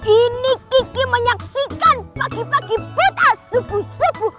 ini kiki menyaksikan pagi pagi buta subuh subuh